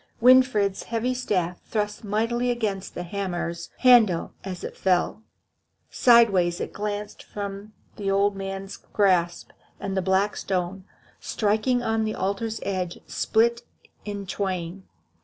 Winfried's heavy staff thrust mightily against the hammer's handle as it fell. Sideways it glanced from the old man's grasp, and the black stone, striking on the altar's edge, split in twain.